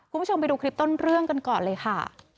คุณผู้ชมไปดูคลิปต้นเรื่องกันก่อนเลยค่ะ